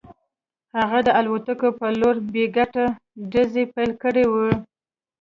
هغه د الوتکو په لور بې ګټې ډزې پیل کړې وې